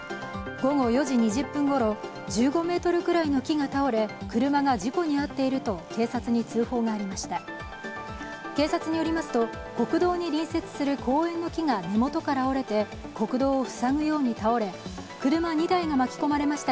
午後４時２０分ごろ、１５ｍぐらいの木が倒れ、車が事故に遭っていると警察に通報がありました。